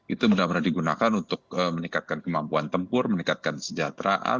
itu benar benar digunakan untuk meningkatkan kemampuan tempur meningkatkan kesejahteraan